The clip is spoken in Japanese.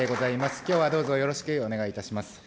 きょうはどうぞよろしくお願いいたします。